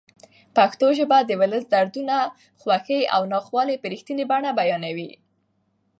پښتو ژبه د ولس دردونه، خوښۍ او ناخوالې په رښتینې بڼه بیانوي.